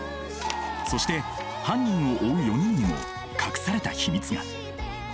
そして犯人を追う４人にも隠された秘密が。